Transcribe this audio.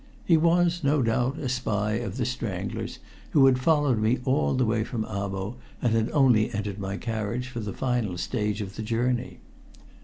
He was, no doubt, a spy of "The Strangler's," who had followed me all the way from Abo, and had only entered my carriage for the final stage of the journey.